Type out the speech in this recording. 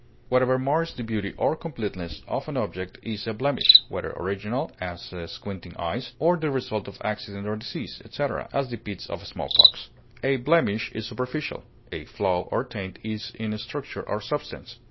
Whatever mars the beauty or completeness of an object is a blemish, whether original, as squinting eyes, or the result of accident or disease, etc., as the pits of smallpox. A blemish is superficial; a flaw or taint is in structure or substance.